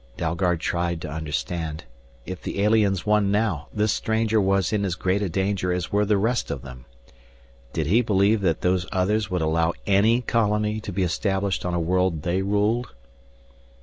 Dalgard tried to understand. If the aliens won now, this stranger was in as great a danger as were the rest of them. Did he believe that Those Others would allow any colony to be established on a world they ruled?